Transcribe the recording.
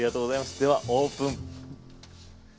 ではオープン。